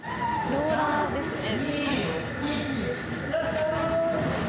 ローラーですね。